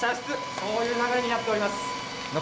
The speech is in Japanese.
そうういう流れになっております。